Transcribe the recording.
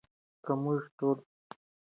که موږ ټول تمرین وکړو، اضطراب به کم شي.